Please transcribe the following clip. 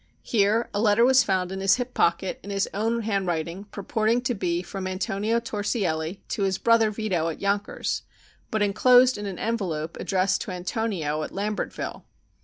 Here a letter was found in his hip pocket in his own handwriting purporting to be from Antonio Torsielli to his brother Vito at Yonkers, but enclosed in an envelope addressed to Antonio at Lambertville.